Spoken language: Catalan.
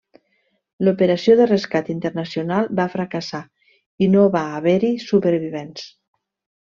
L'operació de rescat internacional va fracassar i no va haver-hi supervivents.